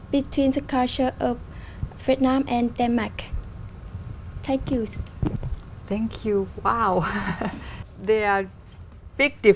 và tôi nghĩ chúng ta có tất cả những lợi ích đặc biệt